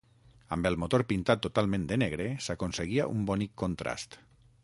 Amb el motor pintat totalment de negre s'aconseguia un bonic contrast.